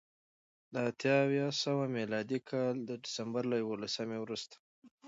د اتیا اوه سوه میلادي کال د سپټمبر له یوولسمې وروسته